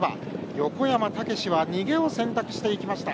横山武史は逃げを選択していきました。